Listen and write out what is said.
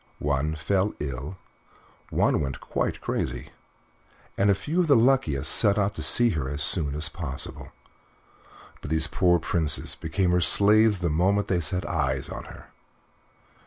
One fell ill, one went quite crazy, and a few of the luckiest set off to see her as soon as possible, but these poor princes became her slaves the moment they set eyes on her.